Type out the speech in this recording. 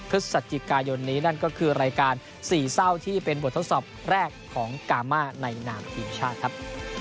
พฤศจิกายนนี้นั่นก็คือรายการสี่เศร้าที่เป็นบททดสอบแรกของกามาในนามทีมชาติครับ